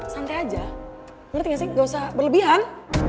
santai aja ngerti gak sih gak usah berlebihan